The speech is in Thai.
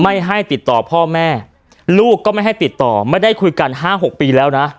ไม่ให้ติดต่อพ่อแม่ลูกก็ไม่ให้ติดต่อไม่ได้คุยกัน๕๖ปีแล้วนะ